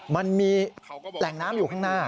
มันมีแหล่งน้ำอยู่ข้างหน้า